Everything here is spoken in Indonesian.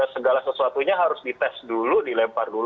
segala sesuatunya harus dites dulu dilempar dulu